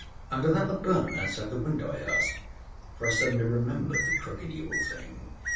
"Under that laburnum outside the window?" I asked, for I suddenly remembered the crooked evil thing.